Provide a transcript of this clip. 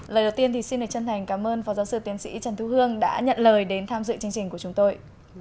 lời đầu tiên thì xin được chân thành cảm ơn phó giáo sư tiến sĩ trần thu hương đã nhận lời đến tham dự chương trình của chúng tôi